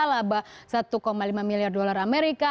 laba satu lima miliar dolar amerika